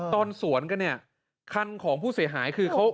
ตอนสวนกันเนี่ยคันของผู้เสียหายคือเขา